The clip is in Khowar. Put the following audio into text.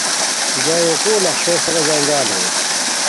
جائے وقوعو نقشو سورا جنجال ہوئے